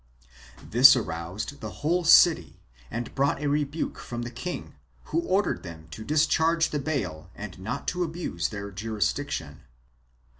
This aroused the whole city and brought a rebuke from the king, who ordered them to discharge the bail and not to abuse their jurisdiction.